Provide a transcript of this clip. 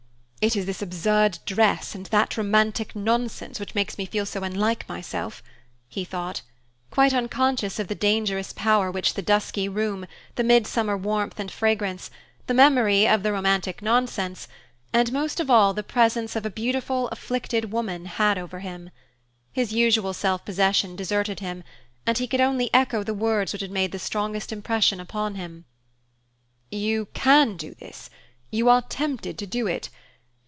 It is this absurd dress and that romantic nonsense which makes me feel so unlike myself, he thought, quite unconscious of the dangerous power which the dusky room, the midsummer warmth and fragrance, the memory of the "romantic nonsense," and, most of all, the presence of a beautiful, afflicted woman had over him. His usual self possession deserted him, and he could only echo the words which had made the strongest impression upon him: "You can do this, you are tempted to do it.